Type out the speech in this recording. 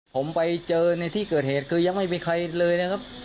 ผมไปเจอในที่เกิดเหตุคือยังไม่มีใครเลยนะครับ